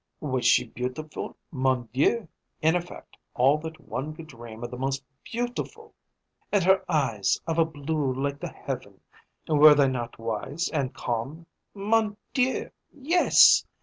Was she beautiful, mon Dieu! In effect, all that one could dream of the most beautiful! And her eyes, of a blue like the heaven, were they not wise and calm? Mon Dieu, yes!